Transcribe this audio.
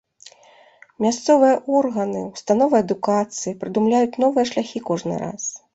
Мясцовыя органы, установы адукацыі прыдумляюць новыя шляхі кожны раз.